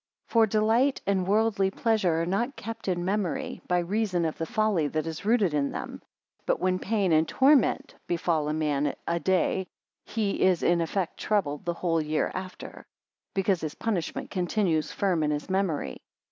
36 For delight and worldly pleasure are not kept in memory, by reason of the folly that is rooted in them. But when pain and torment befall a man a day, he is in effect troubled the whole year after; because his punishment continues firm in his memory.